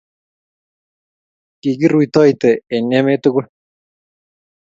Kikirutoite eng' emet tugul.